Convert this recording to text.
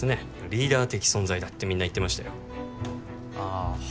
「リーダー的存在だ」ってみんな言ってましたよああ